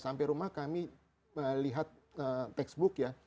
sampai rumah kami lihat textbook ya